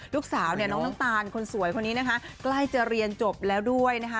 ลูกสาวเนี่ยน้องน้ำตาลคนสวยคนนี้นะคะใกล้จะเรียนจบแล้วด้วยนะคะ